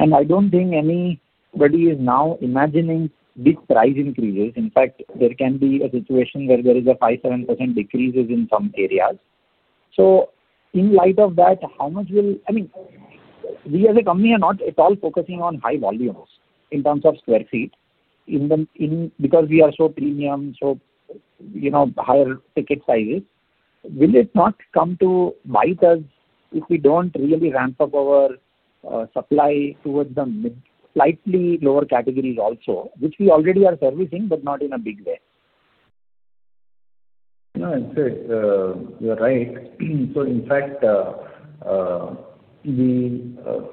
And I don't think anybody is now imagining big price increases. In fact, there can be a situation where there is a 5%-7% decrease in some areas. So in light of that, how much will I mean, we as a company are not at all focusing on high volumes in terms of sq ft because we are so premium, so higher ticket sizes. Will it not come to bite us if we don't really ramp up our supply towards the slightly lower categories also, which we already are servicing, but not in a big way? No, I'd say you're right. So in fact,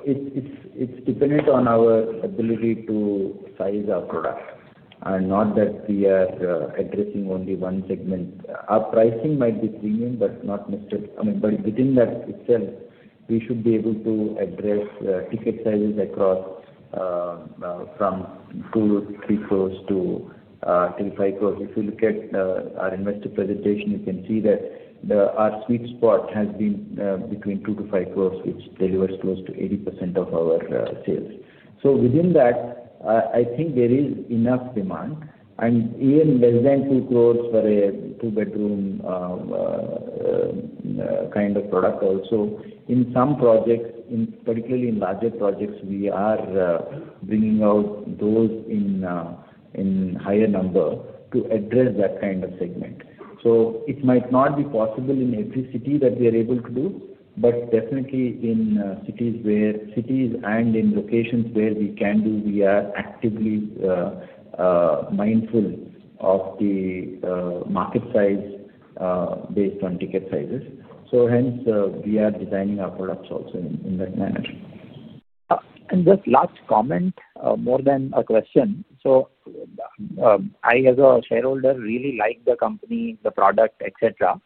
it's dependent on our ability to size our product. And not that we are addressing only one segment. Our pricing might be premium, but not necessarily. I mean, but within that itself, we should be able to address ticket sizes across from two to three crores to three to five crores. If you look at our investor presentation, you can see that our sweet spot has been between two to five crores, which delivers close to 80% of our sales. So within that, I think there is enough demand. And even less than two crores for a two-bedroom kind of product also. In some projects, particularly in larger projects, we are bringing out those in higher number to address that kind of segment. So it might not be possible in every city that we are able to do, but definitely in cities and in locations where we can do, we are actively mindful of the market size based on ticket sizes. So hence, we are designing our products also in that manner. And just last comment, more than a question. So I, as a shareholder, really like the company, the product, etc.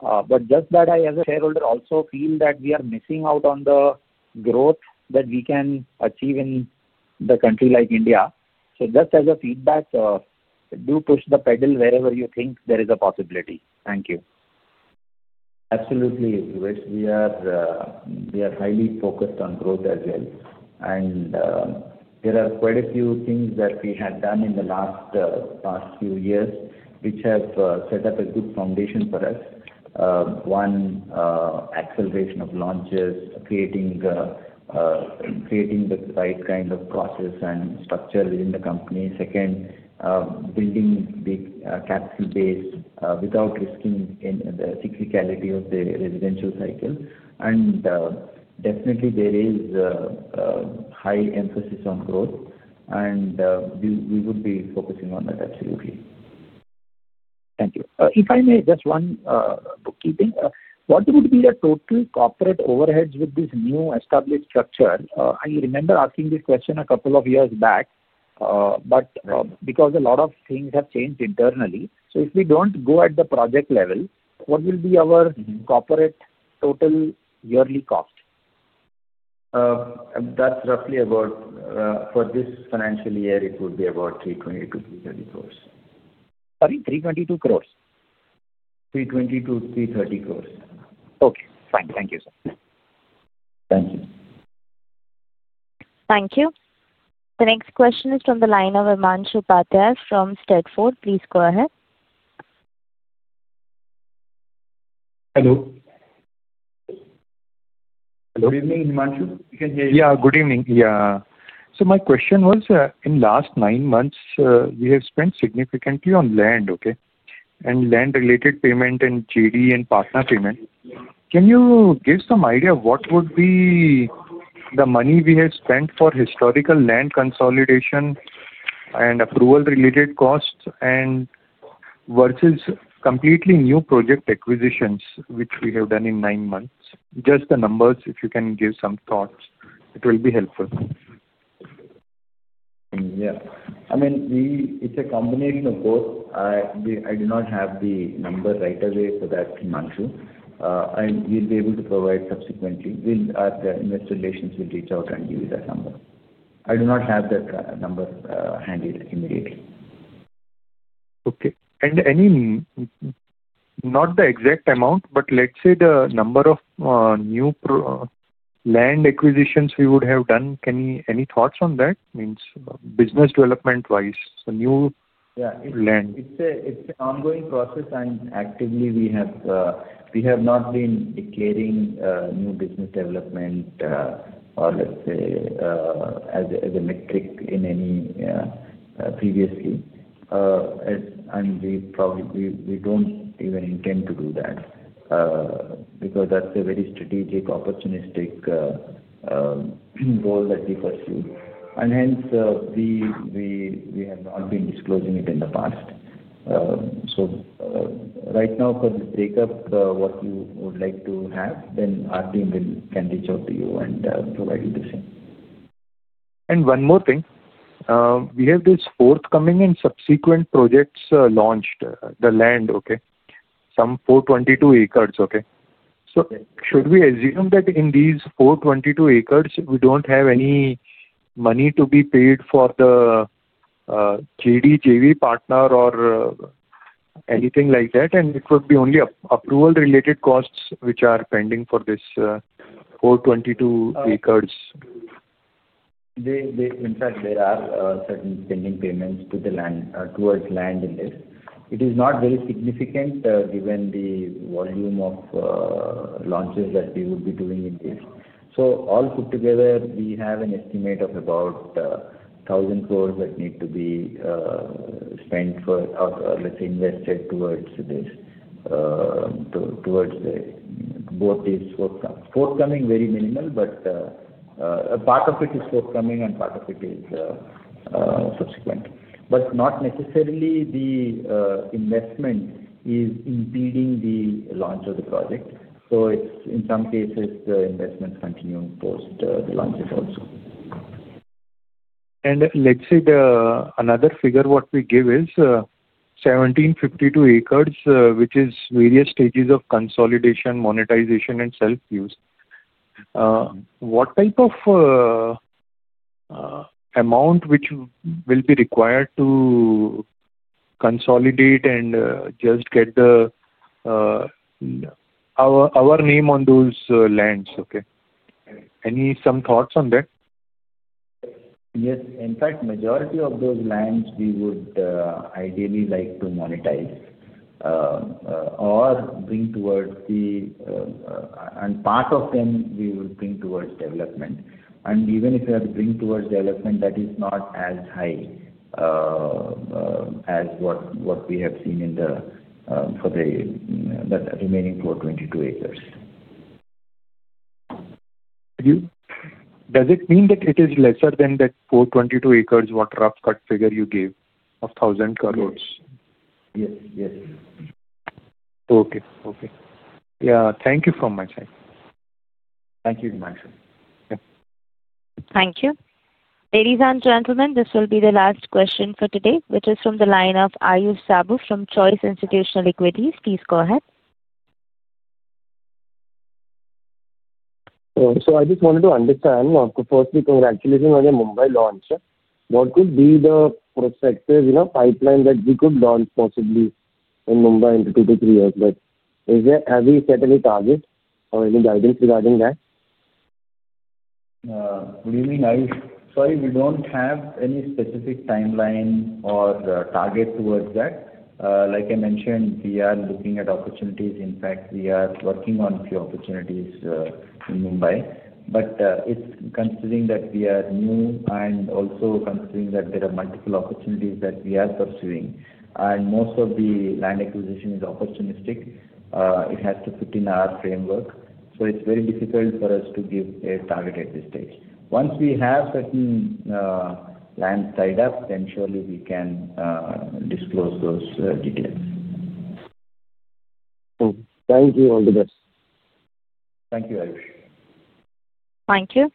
But just that I, as a shareholder, also feel that we are missing out on the growth that we can achieve in the country like India. So just as a feedback, do push the pedal wherever you think there is a possibility. Thank you. Absolutely, Dhruvesh. We are highly focused on growth as well. And there are quite a few things that we have done in the last few years, which have set up a good foundation for us. One, acceleration of launches, creating the right kind of process and structure within the company. Second, building the capital base without risking the cyclicality of the residential cycle. And definitely, there is a high emphasis on growth. And we would be focusing on that, absolutely. Thank you. If I may, just one bookkeeping. What would be the total corporate overheads with this new established structure? I remember asking this question a couple of years back, but because a lot of things have changed internally. So if we don't go at the project level, what will be our corporate total yearly cost? That's roughly about for this financial year, it would be about 322-330 crores. Sorry? 322 crores? 322-330 crores. Okay. Fine. Thank you, sir. Thank you. Thank you. The next question is from the line of Himanshu from Steadford. Please go ahead. Hello. Good evening, Himanshu. Can you hear me? Yeah. Good evening. Yeah. So my question was, in the last nine months, we have spent significantly on land, okay? And land-related payment and JD and partner payment. Can you give some idea what would be the money we have spent for historical land consolidation and approval-related costs versus completely new project acquisitions, which we have done in nine months? Just the numbers, if you can give some thoughts, it will be helpful. Yeah. I mean, it's a combination of both. I do not have the number right away for that, Himanshu, and we'll be able to provide subsequently. The investor relations will reach out and give you that number. I do not have that number handy immediately. Okay. And not the exact amount, but let's say the number of new land acquisitions we would have done. Any thoughts on that? I mean, business development-wise, so new land. Yeah. It's an ongoing process. And actively, we have not been declaring new business development or, let's say, as a metric in any previously. And we don't even intend to do that because that's a very strategic, opportunistic goal that we pursue. And hence, we have not been disclosing it in the past. So right now, for the breakup, what you would like to have, then our team can reach out to you and provide you the same. And one more thing. We have this forthcoming and subsequent projects launched, the land, okay? Some 422 acres, okay? So should we assume that in these 422 acres, we don't have any money to be paid for the JD, JV partner or anything like that? And it would be only approval-related costs which are pending for this 422 acres. In fact, there are certain pending payments towards land in this. It is not very significant given the volume of launches that we would be doing in this. So all put together, we have an estimate of about 1,000 crores that need to be spent or, let's say, invested towards this, towards both these forthcoming. Forthcoming, very minimal, but part of it is forthcoming and part of it is subsequent. But not necessarily the investment is impeding the launch of the project. So in some cases, the investment is continuing post the launches also. Let's say another figure what we give is 1,752 acres, which is various stages of consolidation, monetization, and self-use. What type of amount which will be required to consolidate and just get our name on those lands, okay? Any thoughts on that? Yes. In fact, majority of those lands, we would ideally like to monetize or bring towards the JD, and part of them, we will bring towards development. Even if we have to bring towards development, that is not as high as what we have seen for the remaining 422 acres. Does it mean that it is lesser than that 422 acres what rough cut figure you gave of 1,000 crores? Yes. Yes. Okay. Okay. Yeah. Thank you from my side. Thank you, Himanshu. Yeah. Thank you. Ladies and gentlemen, this will be the last question for today, which is from the line of Ayush Sabu from Choice Institutional Equities. Please go ahead. So I just wanted to understand. Firstly, congratulations on your Mumbai launch. What would be the prospective pipeline that we could launch possibly in Mumbai in two to three years? But have we set any target or any guidance regarding that? Good evening, Ayush. Sorry, we don't have any specific timeline or target towards that. Like I mentioned, we are looking at opportunities. In fact, we are working on a few opportunities in Mumbai. But considering that we are new and also considering that there are multiple opportunities that we are pursuing, and most of the land acquisition is opportunistic, it has to fit in our framework. So it's very difficult for us to give a target at this stage. Once we have certain land tied up, then surely we can disclose those details. Thank you. All the best. Thank you, Ayush. Thank you.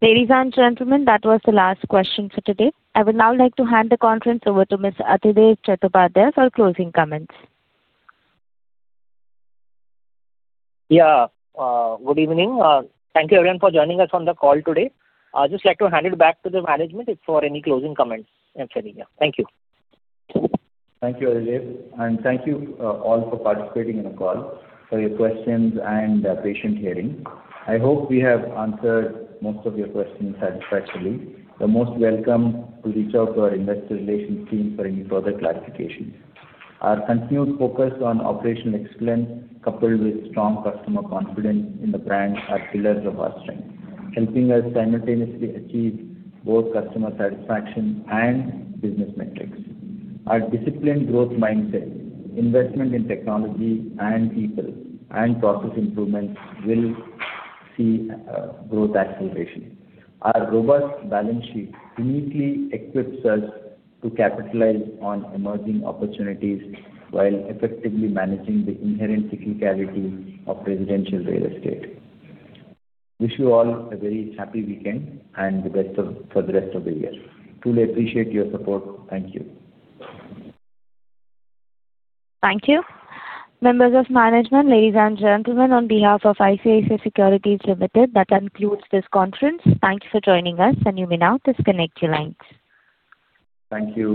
Ladies and gentlemen, that was the last question for today. I would now like to hand the conference over to Mr. Adhidev Chattopadhyay for closing comments. Yeah. Good evening. Thank you, everyone, for joining us on the call today. I'd just like to hand it back to the management for any closing comments instead. Yeah. Thank you. Thank you, Adhidev. And thank you all for participating in the call, for your questions and patient hearing. I hope we have answered most of your questions satisfactorily. You're most welcome to reach out to our investor relations team for any further clarification. Our continued focus on operational excellence coupled with strong customer confidence in the brand are pillars of our strength, helping us simultaneously achieve both customer satisfaction and business metrics. Our disciplined growth mindset, investment in technology and people, and process improvements will see growth acceleration. Our robust balance sheet uniquely equips us to capitalize on emerging opportunities while effectively managing the inherent cyclicality of residential real estate. Wish you all a very happy weekend and the best for the rest of the year. Truly appreciate your support. Thank you. Thank you. Members of management, ladies and gentlemen, on behalf of ICICI Securities Limited, that concludes this conference. Thank you for joining us, and you may now disconnect your lines. Thank you.